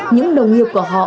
những đồng nghiệp của họ